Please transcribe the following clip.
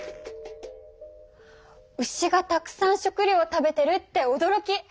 牛がたくさん食料食べてるっておどろき！